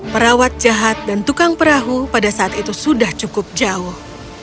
perawat jahat dan tukang perahu pada saat itu sudah cukup jauh